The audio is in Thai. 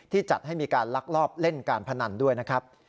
จัดให้มีการลักลอบเล่นการพนันด้วยนะครับ